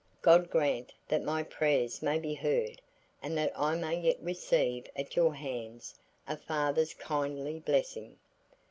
God grant that my prayers may be heard and that I may yet receive at your hands, a father's kindly blessing."